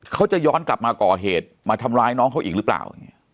เขาจะย้อนกลับมาก่อเหตุมาทำร้ายน้องเขาอีกหรือเปล่า